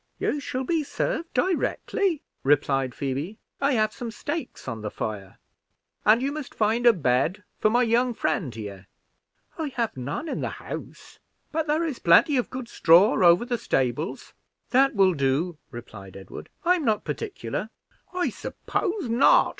"You shall be served directly," replied Phoebe. "I have some steaks on the fire." "And you must find a bed for my young friend here." "I have none in the house, but there is plenty of good straw over the stables." "That will do," replied Edward; "I'm not particular." "I suppose not.